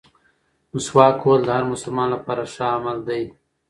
مسواک وهل د هر مسلمان لپاره ښه عمل دی.